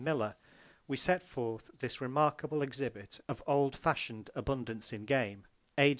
Miller, we set forth this remarkable exhibit of old fashioned abundance in game, A.